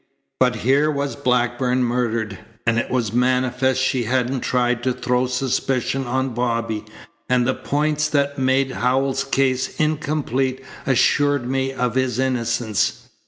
But here was Blackburn murdered, and it was manifest she hadn't tried to throw suspicion on Bobby, and the points that made Howells's case incomplete assured me of his innocence.